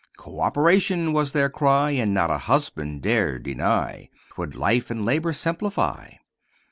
"Coöperation!" was their cry, And not a husband dared deny 'Twould life and labor simplify.